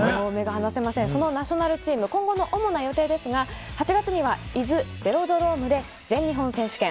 ナショナルチーム、今後の主な予定ですが８月には伊豆ベロドロームで全日本選手権。